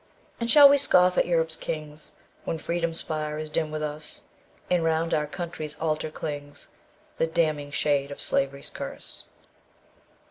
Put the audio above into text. And shall we scoff at Europe's kings, When Freedom's fire is dim with us, And round our country's altar clings The damning shade of Slavery's curse?"